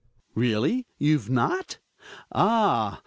Really? You've not? Ah!